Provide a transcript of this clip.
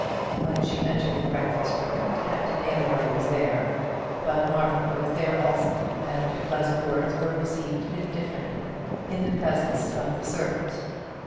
When she entered the breakfast room Captain Aylmer was there; but Martha was there also, and her pleasant words were received indifferently in the presence of the servant.